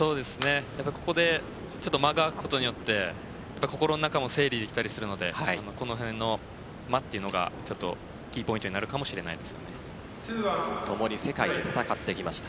ここで間が空くことによって心の中も整理できたりするのでこの辺の間というのがキーポイントに共に世界で戦ってきました。